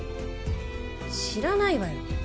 知らないわよ。